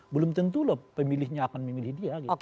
belum tentu loh pemilihnya akan memilih dia gitu